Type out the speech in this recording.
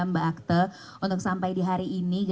mbak akte untuk sampai di hari ini